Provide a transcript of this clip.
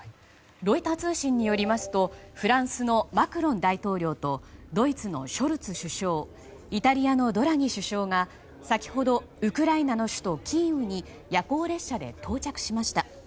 ロイター通信によりますとフランスのマクロン大統領とドイツのショルツ首相イタリアのドラギ首相が先ほどウクライナの首都キーウに夜行列車で到着しました。